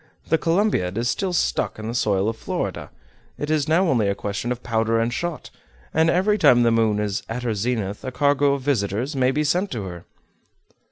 The Columbiad is still sunk in the soil of Florida. It is now only a question of powder and shot; and every time the moon is at her zenith a cargo of visitors may be sent to her."